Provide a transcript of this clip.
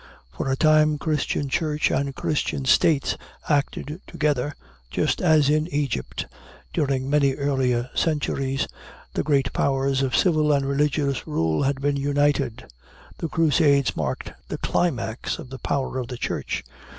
For a time Christian Church and Christian States acted together, just as in Egypt, during many earlier centuries, the great powers of civil and religious rule had been united. The Crusades marked the climax of the power of the Church.